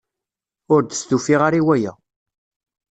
Ur d-stufiɣ ara i waya.